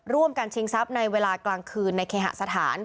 ร่วมกันชิงทรัพย์ในเวลากลางคืนในเคหสถาน